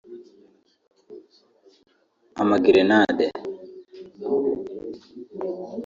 Amagerenade